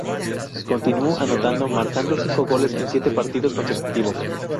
Continuó anotando, marcando cinco goles en siete partidos consecutivos.